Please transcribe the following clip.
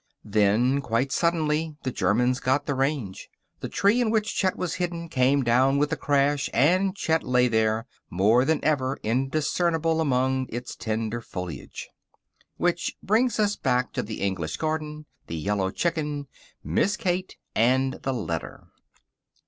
Then, quite suddenly, the Germans got the range. The tree in which Chet was hidden came down with a crash, and Chet lay there, more than ever indiscernible among its tender foliage. Which brings us back to the English garden, the yellow chicken, Miss Kate, and the letter.